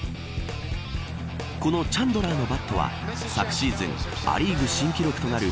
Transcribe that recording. このチャンドラーのバットは昨シーズンア・リーグ新記録となる。